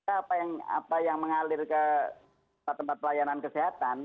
apa yang mengalir ke tempat tempat pelayanan kesehatan